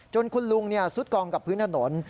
จนคุณลุงเนี่ยซุดกองกับพื้นถนน